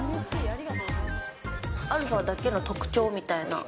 アルファだけの特徴みたいな。